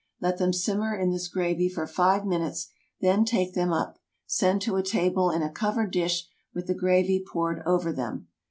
Let them simmer in this gravy for five minutes, then take them up. Send to table in a covered dish, with the gravy poured over them.